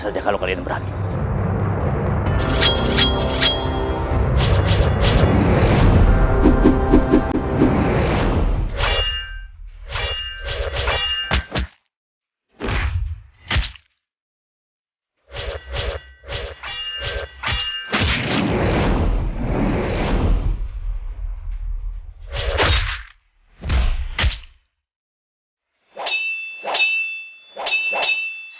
jangan lupa untuk berlangganan